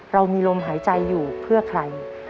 เรามีลมหายใจอยู่เพื่อใคร